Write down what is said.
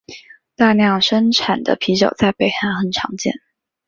大量生产的啤酒在北韩很常见。